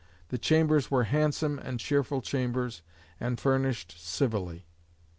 The chambers were handsome and cheerful chambers, and furnished civilly.